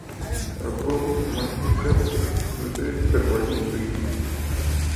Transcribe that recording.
ابو محمد هاشم د زيد سرواني زوی.